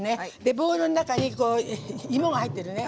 ボウルの中に芋が入ってるね。